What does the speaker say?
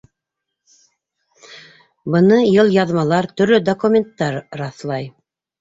Быны йылъяҙмалар, төрлө документтар раҫлай.